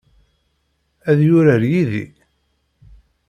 Ad yurar yid-i?